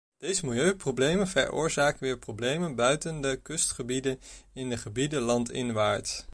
Deze milieuproblemen veroorzaken weer problemen buiten de kustgebieden, in de gebieden landinwaarts.